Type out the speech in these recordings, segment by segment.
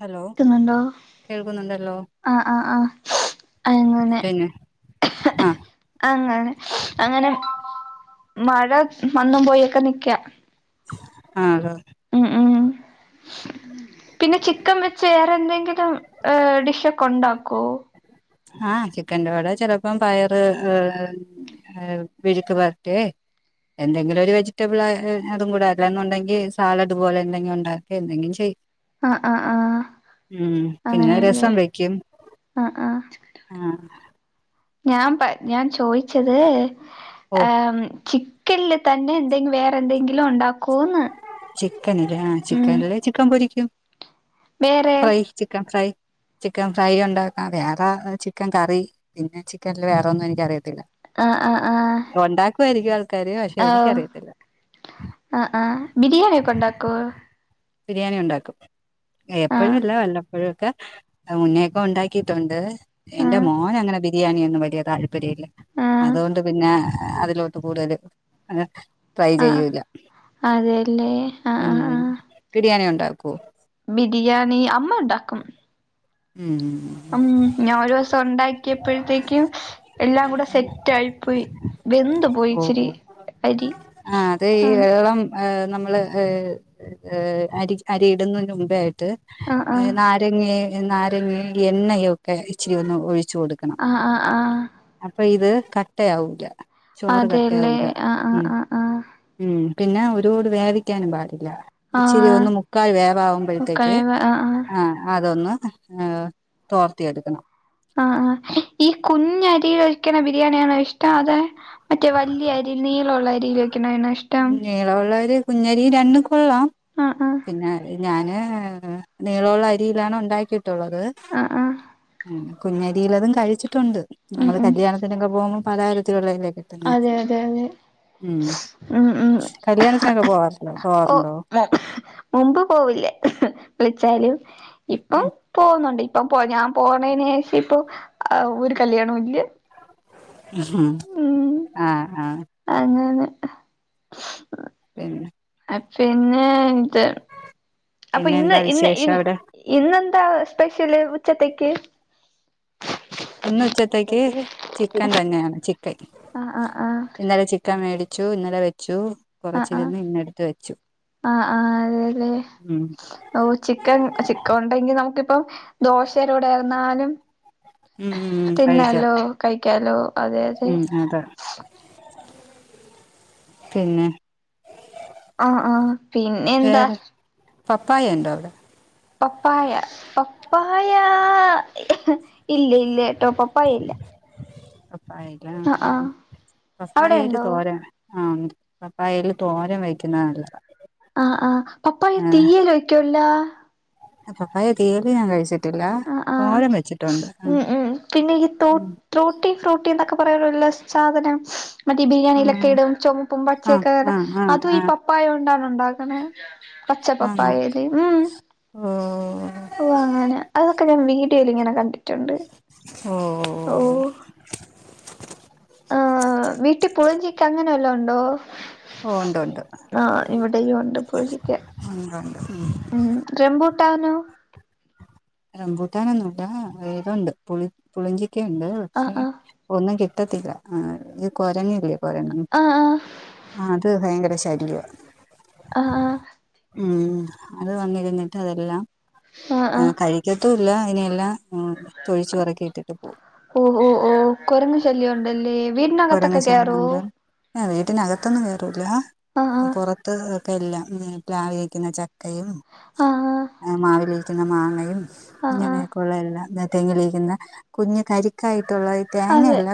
Hello ക്ക്ന്നുണ്ടോ? കേൾക്കുന്നുണ്ടല്ലോ ആഹ് ആഹ് ആഹ് അങ്ങനെ ആഹ് അങ്ങനെ അങ്ങനെ. മഴ വന്നും പോയി ഒക്കെ നിക്ക. ആഹ് ഹലോ. ഉം ഉം. പിന്നെ ചിക്കൻ വെച്ച് വേറെന്തെങ്കിലും ഏ ഡിഷൊക്കെ ഉണ്ടാക്കോ? ആഹ് ചിക്കന്റെ കൂടെ ചെലപ്പം പയറ് ഏ മെഴുക്ക് വര്ട്ടേ എന്തെങ്കിലു ഒരു വെജിറ്റബിള് എ ഏ അതും കൂടെ. അല്ലാന്നുണ്ടെങ്കി സാലഡ് പോലെ എന്തെങ്കിലും ഉണ്ടാക്കെ എന്തെങ്കിലും ചെയ്യും. ആഹ് ആഹ് ആഹ് ഉം പിന്നെ രസം വെയ്ക്കും. അഹ് ആഹ്. ആഹ് ഞാൻ പ ഞാൻ ചോയിച്ചത് ഓ ഏ ചി ക്കൻ ല് തന്നെ എന്തെൻ വേറെ എന്തെങ്കിലും ഉണ്ടാക്കോന്ന്. ചിക്കൻ ല് ആഹ് ഉം ചിക്കൻല് ചിക്കൻ പൊരിയ്ക്കും. വേറെ fry chicken fry. Chicken fry ഉണ്ടാക്കാ അറിയാ വേറെ ചിക്കൻ കറി പിന്നെ ചിക്കൻല് വേറൊന്നും എനിക്കറിയത്തില്ല. ആഹ് ആഹ് ആഹ് ഒണ്ടാക്കുവായിരിക്കും ആൾക്കാര് പക്ഷെ, എനിക്കറിയത്തില്ല. അ ആഹ്, ബിരിയാണി ഒക്കെ ഉണ്ടാക്കോ? ബിരിയാണി ഉണ്ടാക്കും. ഏപ്പൊഴു ആഹ് അല്ല വല്ലപ്പോഴു ഒക്കെ മുന്നേക്കെ ഉണ്ടാക്കിയിട്ടൊണ്ട്. എന്റെ ആഹ് മോനങ്ങനെ ബിരിയാണിയൊന്നും വലിയ താല്പര്യ ഇല്ല. ആഹ് അതുകൊണ്ട് പിന്നെ അതിലോട്ട് കൂടുതല് ഏഹ് ട്രൈ ആഹ് ചെയ്യൂല അതെല്ലേ ആഹ് ആഹ് ഉം. ബിരിയാണി ഒണ്ടാക്കോ? ബിരിയാണീ അമ്മ ഇണ്ടാക്കും. ഉം ഉം ഉം ഉം ഞാ ഒരൂസം ഉണ്ടാക്കിയപ്പഴത്തേയ്ക്കും എല്ലാം കൂടെ സെറ്റായിപ്പൊയി. വെന്ത് പോയി ഇച്ചിരി അരി. ആഹ് അതേ ഈ ആഹ് ഏ ഏഹ് നമ്മള് ഹേഹ് ഏഹ് അരി അരിയിടുന്നതിനെ മുമ്പേ ആയിട്ട് ആഹ് ഏഹ് ആഹ് നാ തെങ്ങേ നാരങ്ങേ എങ്കിഎണ്ണയൊക്കെ ഇച്ചിരി ഒന്ന് ഒഴിച്ച് കൊടുക്കണം. ആഹ് ആഹ് ആഹ് അപ്പയിത് കട്ടയാവൂല ചോറ് അതെല്ലേ കട്ടയാവൂല ആഹ് ആഹ് ഉം. ആഹ് ആഹ് ഉം പിന്നെ ഒരുവോട് വേവിയ്ക്കാനും പാടില്ല. ഇച്ചിരി ആഹ് ഒന്ന് മുക്കാൽ വേവാവുമ്പഴത്തേക്ക് മുക്കാവേവ് ആഹ് ആഹ് അതൊന്ന് ഏഹ് തോർത്തി എടുക്കണം ആഹ് ആഹ്. ഈ കുഞ്ഞരീ വെയ്ക്കണ ബിരിയാണിയാണോ ഇഷ്ടം? അതെ മറ്റേ വല്യ അരിയിൽ നീള ഉള്ള അരീല് വെക്ക്ണാണോ ഇഷ് നീള ഉള്ളരി കുഞ്ഞരി രണ്ടും കൊള്ളാം ആഹ് ആഹ് പിന്നെ ഞാന് നീളോള്ള അരിയിലാണ് ഒണ്ടാക്കിട്ടൊള്ളത് ആഹ് ആഹ് കുഞ്ഞരിലെതും കഴിച്ചിട്ടോണ്ട്. ഉം നമ്മള് ഉം കല്യാണത്തിനൊക്കെ പോകുമ്പൊ പലതരത്തിലൊള്ളതല്ലേ കിട്ട് അതെ അതെ അതെ ഉം ഉം കല്യാണത്തിനൊക്കെ പോവാറില്ലൊ പോവാറൊണ്ടോ മുമ്പുപോവില്ലേ വിളിച്ചാലും ഇപ്പം. പോവുന്നൊണ്ട് ഇപ്പം പോ ഞാൻ പോണേനുശേഷം ഇപ്പോ ആ ഒരു കല്യാണവും ഇല്ലാ. ഉഹും ആ ആ അങ്ങനെ പിന്നെ അപ്പിന്നെ ഇത് അപ്പൊ പിന്നെ ഇന്ന് എന്താ ഇന്ന് വിശേഷം ഇന്ന് അവിടെ ഇന്നെന്താ സ്പെഷ്യല് ഉച്ചത്തേക്ക് ഇന്ന് ഉച്ചത്തേക്ക് ചിക്കൻ തന്നെയാണ് ചിക്കൻ ആഹ് ആഹ് ആഹ് ഇന്നലെ ചിക്ക് ക്കൻ മേടിച്ചു ഇന്നലെ വെച്ചു. ആ ആ കുറച്ചിരുന്ന് ഇന്നെടുത്ത് വെച്ചു ആ ആ അതേല്ലേ ഉം ഓ ചിക്ക് ക്കൻ ചിക്കൻ ഒണ്ടെങ്കി നമക്കിപ്പം ദോശേടെ കൂടെയാന്നാലും. ഉം ഉം ഉം കഴിക്കാം തിന്നാലോ കഴിക്കാലോ. ഉം അതെ പിന്നെ ആ ആ പിന്നെ എന്താ പപ്പായയൊണ്ടോ അവിടെ പപ്പായ പപ്പായാ ഇല്ല ഇല്ലാട്ടോ പപ്പായ ഇല്ല. പപ്പായയിലാ ആഹ് ആഹ് അവിടെ പപ്പായയില ഉണ്ടോ തോരൻ. ആഹ് പപ്പായയില തോരൻ വെയ്ക്കുന്നതാ നല്ലത്. ആ ആ പപ്പായ തീയല് വെയ്ക്കുവല്ലോ. പപ്പായ തീയല് ഞാൻ കഴിച്ചിട്ടില്ല ആഹ് ആഹ് തോരൻ വെച്ചിട്ടോണ്ട് അ ഉം ട്രൂട്ടി ഫ്രൂട്ടി എന്നൊക്കെ പറയാറുള്ള സാധനം. മറ്റേയീ ഉം ബിരിയാണിയിലൊക്കെയിടും ചൊമപ്പും ആ ആ പച്ചയൊക്കെടേ ആ അതും ആ ഈ പപ്പായ കൊണ്ടാണോ ഒണ്ടാക്കുന്നെ ആണോ ഓ ഓ അങ്ങനെ അതൊക്കെ ഞാൻ വീഡിയോലിങ്ങനെ കണ്ടിട്ടോണ്ട്. ഓഹ് ഓഹ് ആഹ് വീട്ടി പുളിയിഞ്ചിക്കെ അങ്ങനെ വല്ലോ ഒണ്ടോ ഓ ഒണ്ട് ഒണ്ട് ഉണ്ട് പുളിഞ്ചിക്ക ഒണ്ട് ഒണ്ട് ഉം ഉം റംമ്പൂട്ടാനോ റംബൂട്ടാനൊന്നൂല്ലാ ഇതൊണ്ട് പുളി പുളിഞ്ചിക്കായൊണ്ട് ആഹ് പക്ഷേ ആഹ് ഒന്നും കിട്ടത്തില്ല അ ഇത് കൊരങ്ങില്ലേ കൊരങ്ങ്. ആഹ് ആഹ് അത് ഭയങ്കര ശല്ല്യവാ. ആഹ് ഉം അതു വന്നിരുന്നിട്ട് അതെല്ലാം ആഹ് അ ആഹ് കഴി ക്കത്തുല്ലാ ഇനിയെല്ലാം തൊഴിച്ചു പറക്കിയിട്ടിട്ടു ഓഹോ ഓ കൊരങ്ങുശല്ലൃവൊണ്ടല്ലേ വീടിനകത്തൊക്കെ കേറുവോ എ വീട്ടിനകത്തൊന്നും കേറൂലാ ആഹ് പൊറത്ത് ഒക്കെയെല്ലാം പ്ലാവിലിരിക്കുന്ന ച ക്കയും ആഹ് ആഹ് ആഹ് മാവിലിരിക്കുന്ന മാങ്ങയും ആഹ് ആഹ് ഇങ്ങനെയെക്കെയൊള്ള എല്ലാം തെങ്ങിലിരിക്കുന്ന കുഞ്ഞ് കരിക്കായിട്ടൊള്ള അതെ തേങ്ങയല്ല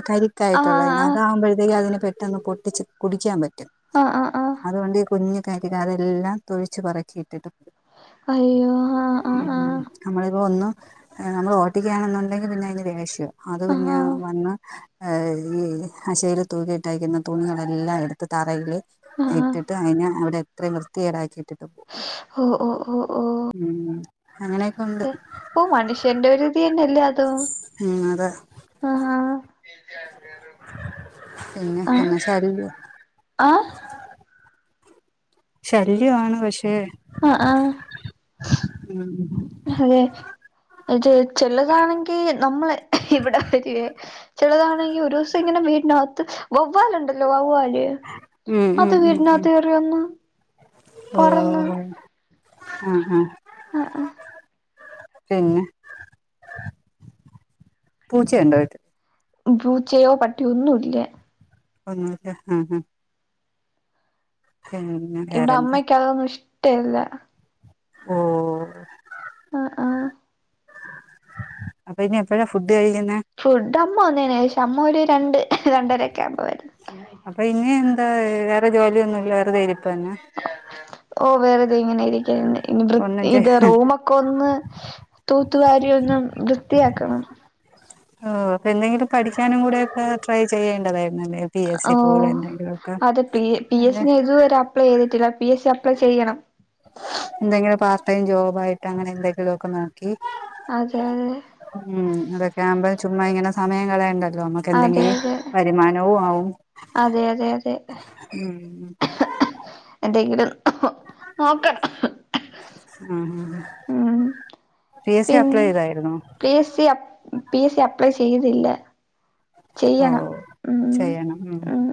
ആഹ് ആഹ് കരിക്കായിട്ടൊള്ളതിന് ആഹ് അതാകുമ്പഴത്തേക്കും അതിന് പെട്ടെന്ന് പൊട്ടിച്ച് കുടിക്കാൻ പറ്റും. ആഹ് ആഹ് ആ അതുകൊണ്ട് കുഞ്ഞു കരിക അതെല്ലാം തൊഴിച്ച് പറക്കിയിട്ടിട്ട് പോവും അയ്യോ ആഹ് ആഹ് ഉം ആഹ് നമ്മളിപ്പോ ഒന്നു നമ്മള് ഓട്ടിക്കയാണെന്നുണ്ടെങ്കി പിന്നെ അയിന് ദേഷ്യ അത് ആഹ് പിന്നെ ആഹ് വന്ന് ഈ അശേല് തൂക്കിയിട്ടേക്കുന്ന തുണികളെല്ലാം എടുത്ത് തറേല് ആഹ് ആഹ് ഇട്ടിട്ട് ട്ട് കഴിഞ്ഞ അവിടെ അത്രയും വൃത്തികേടാക്കി ഇട്ടിട്ട് പോവും ഓഹ് ഓഹ് ഓഹ് ഉം അങ്ങനെ ഓഹ് മനുഷ്യന്റെ ഒരുരിതിന്നല്ലേ അതും അതെ ആഹ് പിന്നെ ആഹ് എന്നാ ശല്യയ ആഹ് ശല്യമാണ് പക്ഷേ ആഹ് ആഹ് ഉം അതെ അത് ചെലതാണെങ്കി നമ്മ ഇവിടെ വരിയേ ചെലതാണെങ്കി ഒരു ദിവസം ഇങ്ങനെ വീടിനകത്ത് വവ്വാലുണ്ടല്ലോ വവ്വാല് ഉം അത് ഉം ഉം ഉം വീട്ടിനകത്ത് കേറി വന്നു ഓ പറന്നു ആ ആ ആഹ് ആഹ് പിന്നെ പൂച്ച ഉണ്ടോ വീട്ട് പൂച്ചയോ പട്ടിയൊന്നും ഇല്ല ഒന്നും ഇല്ല ആഹ് [unintelligible] ഇവിടെ അമ്മയ്ക്കതൊന്നും ഇഷ്ടല്ല ഓഹ് ആഹ് ആഹ് അപ്പൊ ഇനി എപ്പഴാ ഫുഡ് കഴിക്കുന്നേ ഫുഡ് അമ്മ വന്നതിന് ശേഷം അമ്മ ഒര് രണ്ട് രണ്ടരൊക്കെ ആവുമ്പോ വരും അപ്പൊ ഇനി എന്താ വേറെ ജോലിയൊന്നും ഇല്ല വെറുതെ ഇരിപ്പന്നെയാ ഓഹ് വേറ്തെ ഇങ്ങനെയിരിക്ക ഇനി ഒന്നും വൃത്തി ഇത് ചെയ്യ റൂമൊക്കൊന്ന് തൂത്തുവാരി ഒന്നു വൃത്തിയാക്കണം ഓഹ് അപ്പൊ എന്തെങ്കിലും പഠിക്കാനും കൂടെ ഒക്കെ ട്രൈ ചെയ്യേണ്ടതായിരുന്നില്ലേ ഓ അതെ പി പി എസ് അല്ലെ സി ഞാൻ ഇതുവരെ അപ്ലൈ ചെയ്തിട്ടില്ല പി എസ് സി അപ്ലൈ ചെയ്യണം എന്തെങ്കിലും പാർ ടൈം ജോബ് ആയിട്ട് അങ്ങനെ എന്തെങ്കിലും ഒക്കെ നോക്കി അതെ ഉം അതൊക്കെ ആവുമ്പോ ചുമ്മാ ഇങ്ങനെ സമയം കളയണ്ടല്ലോ ന നമ്മക്ക് അതെ അതെ എന്തെങ്കിലും വരുമാനവും ആവും അതെ അതെ അതെ ഉം എന്തെങ്കിലും നോക്കണം ആഹ് ആഹ് ഉം പി എസ് സി അപ്ലൈ പിന്നെ ചെയ്തായിരുന്നോ? പി എസ് സി അ പി എസ് സി അപ്ലൈ ചെയ്തില്ല ഓ ചെയ്യണം ഉം ചെയ്യണം ഉം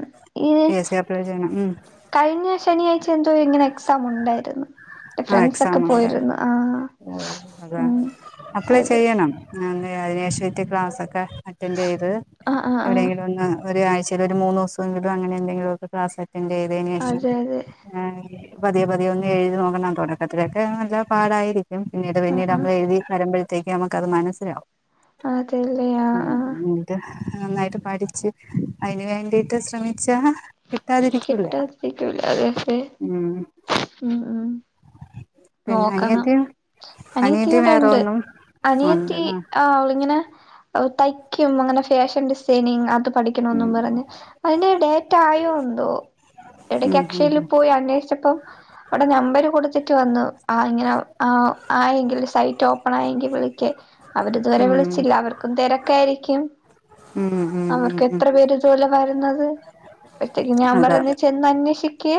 ഈ പി എസ് സി അപ്ലൈ ചെയ്യണം ഉം കഴിഞ്ഞ ശനിയാഴ്ച എന്തോ ഇങ്ങനെ എക്സാം ഉണ്ടായിരുന്നു എന്റെ ആ ഫ്രണ്ട്സ് എക്സാം ഒക്കെ ഉണ്ട് പോയിരുന്നു ആഹ് ഓഹ് അതാ ഉം അപ്ലൈ അതെ ചെയ്യ് ണം അതി ശേഷംത്തെ ക്ലാസ് ഒക്കെ അറ്റൻഡ് ചെയ്ത് ആഹ് ആഹ് ആഹ് എവിടെങ്കിലും ഒന്ന്- ഒരാഴ്ചയിൽ ഒരു മൂന്ന് ദിവസമെങ്കിലും അങ്ങനെ എന്തെങ്കിലും ഒക്കെ ക്ലാസ് അറ്റൻഡ് ചെയ്തതിന് ശേഷം അതെ അതെ - പതിയെ പതിയെ ഒന്നും എഴുതി നോക്കണം തൊടക്കത്തിലൊക്കെ നല്ല പാടായിരി ക്കും പിന്നീട് ആഹ് പിന്നീട് ആഹ് നമ്മൾ എഴുതി വരുമ്പഴേത്തെക്ക് നമക്ക് അത് മനസ്സിലാവും ആഹ് ഉ [unintelligible] നന്നായിട്ട് പഠിച്ച് അയിന് വേണ്ടിയിട്ട് ശ്രമിച്ച കിട്ടാതിരിക്കുലാ അതൊക്ക ഉം ഉം ഉം പിന്നെ നോക്കണം അനിയത്തിയും അനിയത്തി ഇവിടെ വേറെ ഉണ്ട് ഒന്നും ഉണ്ട് അനിയത്തി ആ അവള് ഇങ്ങനെ തയ്ക്കും അങ്ങനെ ഫാഷൻ ഡിസൈനിങ് അത് പഠി ഉം ക്കണമെന്നും പറഞ്ഞ് അയിന്റെ ഡേറ്റ് ആയോ എന്തോ എടക്ക് ഉം ഉം അക്ഷയിൽ പോയി അന്വേഷിച്ചപ്പം അവിടെ നമ്പര് കൊടുത്തിട്ട് വന്നു ആ ഇങ്ങനെ ആ ആയെങ്കില് സൈറ്റ് ഓപ്പൺ ആയെങ്കി വിളിക്ക് അവര് ഇതുവരെ ഉം വിളിച്ചില്ല അവർക്കും തെരക്ക് ആയിരിക്കും ഉം ഉം ഉം ക്ക് ഉം എത്ര പേര് ഇതോലെ വരുന്നത് ഞാൻ അതെ പറഞ്ഞ് ചെന്ന് അന്വേഷിക്ക്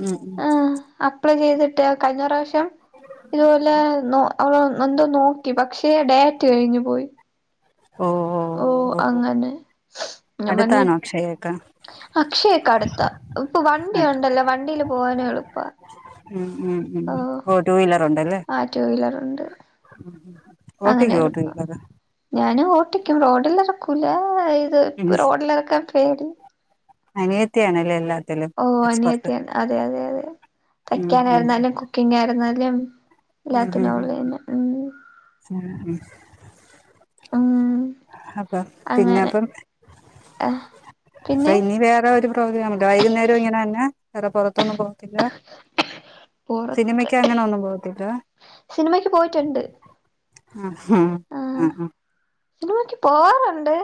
ഉം ഉം ആഹ് അപ്ലൈ ചെയ്തിട്ട് കഴിഞ്ഞ പ്രാവശ്യം ഇതുപോലെ നോ അവള് എന്തു നോക്കി പക്ഷേ ഡേറ്റ് കഴിഞ് പോയി ഓ ഓ ഓഹ് ഓ അങ്ങനെ ഞാൻ പഞ്ഞ് ഈ - അക്ഷയ ഒക്കെ അക്ഷയൊക്കെ അടുത്താ ഇപ്പൊ വണ്ടി ഉണ്ടല്ലോ വണ്ടിയില് പോവാനും എളുപ്പവാ ഉം ഉം ഉ ഓ ടു വീലറ് ഉണ്ട് അല്ലേ ആഹ് ടു വീലർ ഒണ്ട് ഉ ഓട്ടിക ഓട്ടി ഇല്ലത [unintelligible] ഞാനും ഓട്ടിക്കും റോഡിൽ എറക്കൂല ഇത് ഉം റോഡിൽ എറക്കാൻ പേടി അനിയത്തിയാണല്ലേ എല്ലാം - ഓഹ് അനിയത്തിയാണ് അതെ അതെ അതെ ഉം ഉം തയ്ക്കാനായിരുന്നാലും കുക്ക് - കുക്കിങ്ങ് ആയിരുന്നാലും എല്ലാത്തിനും അവള് തന്നെ ഉം ഉം [inaudible] അപ്പം പിന്നെ അങ്ങനെ അപ്പം ആഹ് അപ്പൊ പിന്നെ ഇനി വേറെ ഒരു പ്രോഗ്രാമില്ലേ വൈകുന്നേരം ഇങ്ങനെ തന്നെയാ വേറെ പൊറത്തൊന്നും പോത്തില്ല സിനിമക്ക് അങ്ങനെ ഒന്നും പോത്തില്ല സിനിമയ്ക്ക് പോയിട്ട് ഒണ്ട് ആഹ് ആഹ് സിനിമക്ക് പോവാറുണ്ട്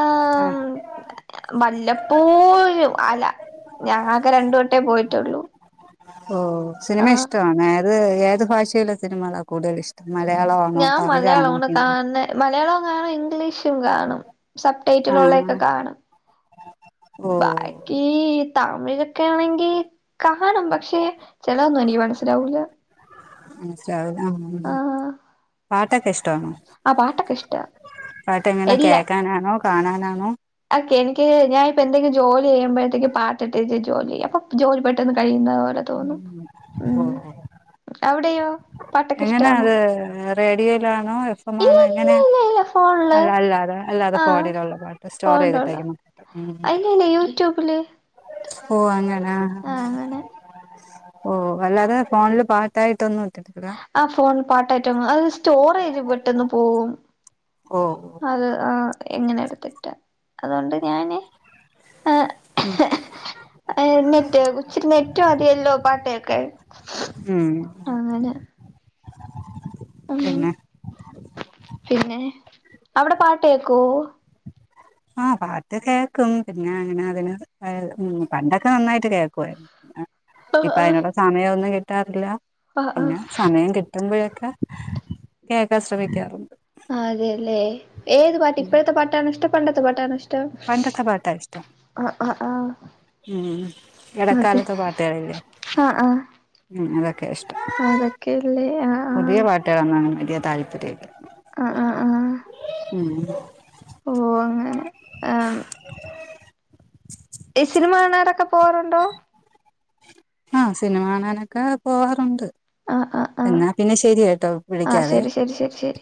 ആഹാ ആഹ് വല്ലപ്പോഴും അല്ല ഞാൻ ആകെ രണ്ടു വട്ടേ പോയിട്ടുള്ളൂ ഓഹ് സിനിമ ആഹ് ഇഷ്ടമാണ് ഏത് ഏത് ഭാഷയില സിനിമളാണ് കൂടുതൽ ഇഷ്ട്ടം മലയാളവാണോ തമിഴാണോ ഹിന്ദി മലയാളോം കാണും ഇംഗ്ലീഷും കാണും സപ് ടൈറ്റിലള്ളൊക്കെ ആഹ് കാണും ഓ ബായ് ഈ തമിഴിലൊക്കെ ആണെങ്കിൽ കാണും പക്ഷെ ചെലതൊന്നും എനിക്ക് മനസ്സിലാവൂല്ല മനസ്സിലാവൂല ആഹ് പാട്ടൊക്കെ ഇഷ്ട്ടാണോ? ആഹ് പാട്ടൊക്കെ ഇഷ്ട്ടവ പാട്ട് എങ്ങനെ കേക്കാനാന്നോ കാണാനാന്നോ അ ക്കെഎനിക്ക് ഞാനൻപ്പോ എന്തെങ്കിലും ജോലി ചെയ്യുമ്പോഴത്തേക്ക് പാട്ട്ഇട്ടേച്ച് ജോലി ചെയ്യാ അപ്പൊ ജോലി പെട്ടെന്ന് കഴിയുന്ന പോലെ തോന്നും അങ്ങനെ ഓ ഉം ഓ അവിടെയോ പാട്ടൊക്കെ എങ്ങനാ ഇഷ്ടാണോ അത് റേഡിയോയിലാണോ എഫ് എം ഇല്ല ആണോ ഇല്ല എങ്ങനെയാ ഇല്ല ഇല്ല ഫോണില് അല്ല അല്ലാതെ അല്ലാതെ ആഹ് ഫോണിലുള്ള പാട്ട് സ്റ്റോർ ഫോണിലുള്ള ചെയ്തിട്ടേക്കുന്നു ഉം ഇല്ല ഇല്ല യൂട്യൂബില് ഓ അങനാ ആഹ് അങ്ങനെ ഓഹ് അല്ലാതെ ഫോണില് പാട്ടായിട്ടൊന്നും ഇട്ടിട്ടില്ല ആ ഫോണിൽ പാട്ടായിട്ട് ഒന്നും അത് സ്റ്റോറേജ് പെട്ടന്ന് പോകും ഓ ഓ അത് ആ ഇങ്ങനെ എടുത്തിട്ട് അതുകൊണ്ട് ഞാന് ആഹ് ഉം ഏഹ് നെറ്റ് ഉച്ചിരി നെറ്റ്മതിയല്ലോ പാട്ടേക്കാൻ ഉം അങ്ങനെ ഉം പിന്നെ പിന്നെ അവടെ പാട്ടേക്കോ ആഹ് പാട്ട് കേക്കും പിന്നെ അങ്ങനെ അതിന് അത് ഉം പണ്ടൊക്കെ നന്നായിട്ട് കേൾക്കുവാരുന്നു ആഹ് ഇപ്പൊ ആഹ് അയിനൊള്ള സമയമൊന്നും കിട്ടാറില്ല ആഹ് ആഹ് പിന്നെ സമയം കിട്ടുമ്പോഴൊക്കെ കേൾക്കാൻ ശ്രമിക്കാറുണ്ട് ആ അതെയല്ലെ ഏത് പാട്ട് ഉം ഇപ്പഴത്തെ പാട്ടാണോ ഇഷ്ടം പണ്ടത്തെ പാട്ടാണോ ഇഷ്ടം ഷ്ടം പണ്ടത്തെ പാട്ടാ ഇഷ്ടം ആഹ് ആഹ് ആഹ് ഉം അതെ എടക്കാലത്തെ പാട്ടുകളില്ലേ ആഹ് ആഹ് ഉം അതൊക്കെയാ ഇഷ്ടം ക്കെ ല്ലേ ആഹ് പുതിയ ആഹ് പാട്ടുകളൊന്നും അങ്ങനെ വലിയ താല്പര്യല്ല ആഹ് ആഹ് ആഹ് ഉം ഓഹ് അങ്ങനെ ആം ഈ സിനിമ കാണാറൊക്കെ പോവാറുണ്ടോ? ആഹ് സിനിമ കാണാനൊക്കെ പോവാറുണ്ട്. ആഹ് ആഹ് ആഹ് എന്നാ പിന്നെ ശരിയേട്ടോ ആഹ് വിളിക്കാവെ ശരി ശരി ശരി